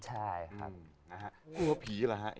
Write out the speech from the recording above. คุ้วพีชละ